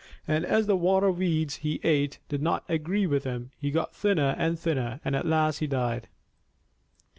And as the water weeds he ate did not agree with him, he got thinner and thinner, and at last he died.